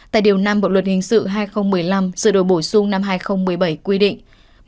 tại điều năm bộ luật hình sự hai nghìn một mươi năm sự đổi bổ sung năm hai nghìn một mươi bảy quy định